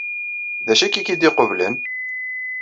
D acu akka ay k-id-iqublen?